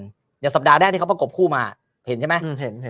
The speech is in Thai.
เดี๋ยวสัปดาห์แรกที่เขากบคู่มาเห็นใช่ไหมอืมเห็นเห็น